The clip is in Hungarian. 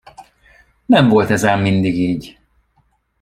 Nem volt ez ám mindig így.